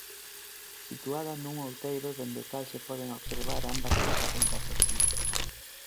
Situada nunha outeiro dende o cal se poden observar ambas as ladeiras do Sil.